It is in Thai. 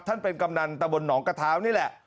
ท่านเป็นกำนันตะบนหนองกระเท้านี่แหละ